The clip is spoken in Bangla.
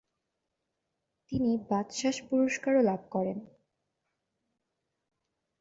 তিনি বাচসাস পুরস্কারও লাভ করেন।